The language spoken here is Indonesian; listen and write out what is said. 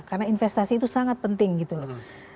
karena investasi itu sangat penting gitu loh